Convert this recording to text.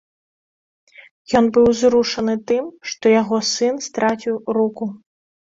Ён быў узрушаны тым, што яго сын страціў руку.